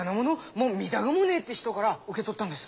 もう見たぐもねって人から受け取ったんです。